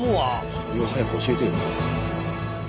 それを早く教えてよ。